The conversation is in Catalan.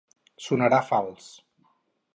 Sonarà fals.